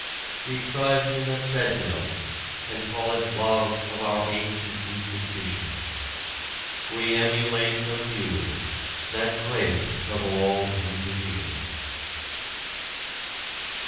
We trudge in the treadmill and call it love of our ancient institutions. We emulate the mule, that greatest of all routineers.